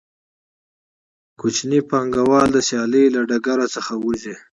کوچني پانګوال د سیالۍ له ډګر څخه وځي